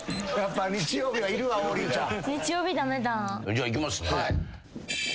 じゃあいきますね。